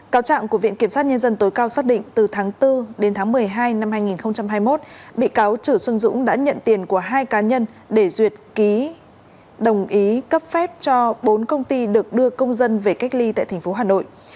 cáo trạng của viện kiểm sát nhân dân tối cao xác định từ tháng bốn đến tháng một mươi hai năm hai nghìn hai mươi một bị cáo chử xuân dũng đã nhận tiền của hai cá nhân để duyệt ký đồng ý cấp phép cho bốn công ty được đưa công dân về cách ly tại tp hà nội